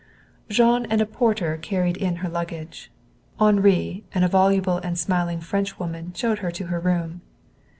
Jean and a porter carried in her luggage. Henri and a voluble and smiling Frenchwoman showed her to her room.